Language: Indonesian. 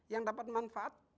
yang dapat manfaat